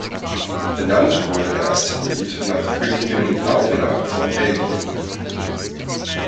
Benannt wurde der Asteroid nach Königin Paola von Belgien.